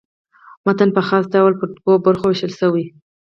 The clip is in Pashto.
متن په خاص ډول پر دوو برخو وېشل سوی.